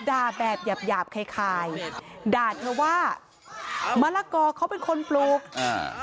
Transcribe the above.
ด่าแบบหยาบหยาบคล้ายคายด่าเธอว่ามะละกอเขาเป็นคนปลูกอ่า